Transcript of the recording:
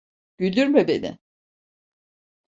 Güldürme beni!